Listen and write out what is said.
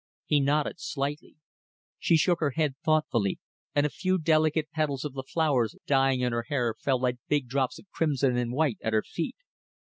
He nodded slightly. She shook her head thoughtfully, and a few delicate petals of the flowers dying in her hair fell like big drops of crimson and white at her feet.